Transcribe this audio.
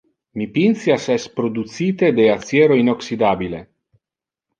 Mi pincias es producite de aciero inoxydabile.